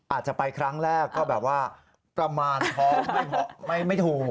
อาจจะไปครั้งแรกก็แบบว่าประมาณท้องไม่ถูก